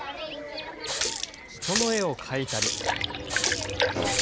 人の絵を描いたり。